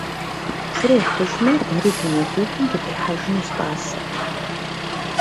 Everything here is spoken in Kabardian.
Псыр ехыжмэ, дэри дуней хуитым дытехьэжынущ, тӀасэ!